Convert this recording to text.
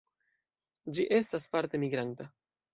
Ĝi estas parte migranta.